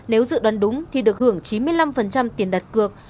nếu dự đoán đúng thì được hưởng chín mươi năm tiền đặt cược